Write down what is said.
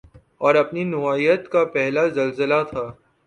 اور اپنی نوعیت کا پہلا زلزلہ تھا